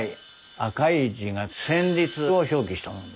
赤い字が旋律を表記したもの。